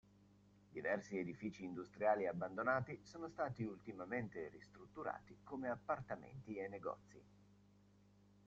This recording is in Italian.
Diversi edifici industriali abbandonati sono stati ultimamente ristrutturati come appartamenti e negozi.